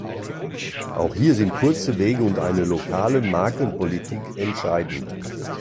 Auch hier sind kurze Wege und eine lokale Markenpolitik entscheidend.